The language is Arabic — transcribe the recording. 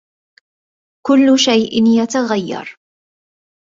كلّ شيء يتغيّر.